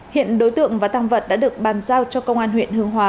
hiện đối tượng và tăng vật đã được bàn giao cho công an huyện hương hóa